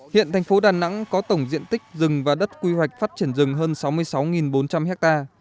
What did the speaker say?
hiện thành phố đà nẵng có tổng diện tích rừng và đất quy hoạch phát triển rừng hơn sáu mươi sáu bốn trăm linh ha